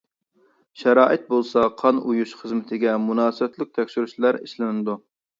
شارائىت بولسا قان ئۇيۇش خىزمىتىگە مۇناسىۋەتلىك تەكشۈرۈشلەر ئىشلىنىدۇ.